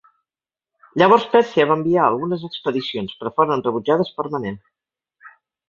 Llavors Pèrsia va enviar algunes expedicions, però foren rebutjades per Manel.